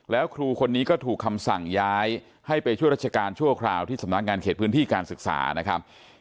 แล้วครูคนนี้ก็ถูกคำสั่งย้ายให้ไปช่วยราชการชั่วคราวที่สำนักงานเขตพื้นที่การศึกษานะครับ